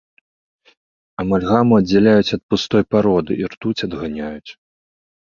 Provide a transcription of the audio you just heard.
Амальгаму аддзяляюць ад пустой пароды, і ртуць адганяюць.